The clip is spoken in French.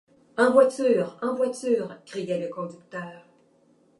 En voiture ! en voiture ! criait le conducteur.